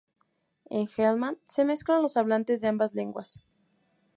En Helmand, se mezclan los hablantes de ambas lenguas.